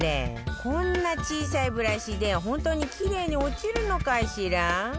こんな小さいブラシで本当にキレイに落ちるのかしら？